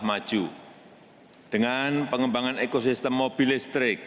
maju untuk democracy of the pipe pembangunan pembangkit listrik tenaga surya terbesar di asia tenggara